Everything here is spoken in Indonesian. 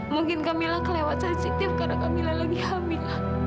mungkin kamilah kelewat sensitif karena kamilah lagi hamil